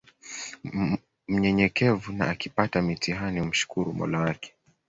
mnyenyekevu na akipata mitihani umshukuru mola wake